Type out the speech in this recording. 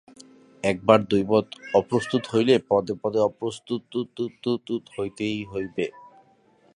একবার দৈবাৎ অপ্রস্তুত হইলে পদে পদে অপ্রস্তুত হইতেই হইবে।